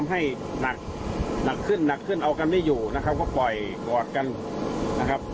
ให้หนักหนักขึ้นหนักขึ้นเอากันไม่อยู่นะครับก็ปล่อยวอร์ดกันนะครับ